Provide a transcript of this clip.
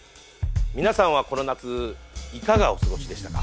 皆さんはこの夏いかがお過ごしでしたか？